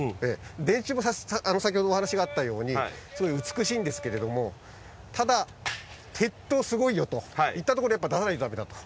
電柱も先ほどお話があったようにすごい美しいんですけれどもただ鉄塔すごいよといったところでやっぱ出さないとダメだと。